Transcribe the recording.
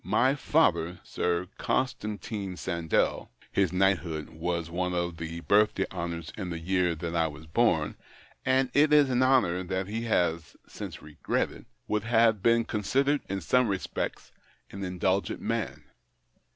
My father, Sir Constantine Sandell — his knighthood was one of the birthday honours in the year that I was born, and it is an honour that he has since regretted — would have been considered, in some respects, an indulgent man.